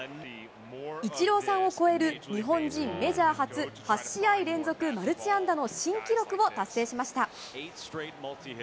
イチローさんを超える日本人メジャー初、８試合連続マルチ安打の新記録を達成しました。